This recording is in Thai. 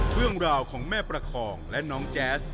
เรื่องราวของแม่ประคองและน้องแจ๊ส